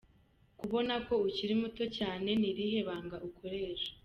ko uboneka ko ukiri muto cyane, ni irihe banga ukoresha?.